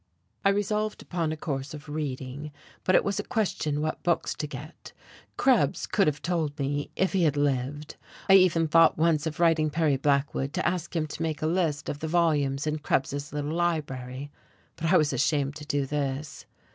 I resolved upon a course of reading, but it was a question what books to get. Krebs could have told me, if he had lived. I even thought once of writing Perry Blackwood to ask him to make a list of the volumes in Krebs's little library; but I was ashamed to do this.